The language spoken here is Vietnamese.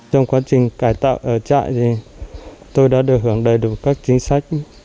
trong quá trình cải tạo ở trại thì tôi đã được hưởng đầy đủ các chính sách